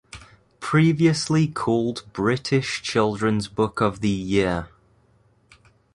Previously called British Children's Book of the Year.